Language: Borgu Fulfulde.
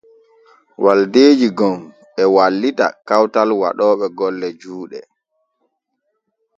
Waldeeji gom e wallita kawtal waɗooɓe golle juuɗe.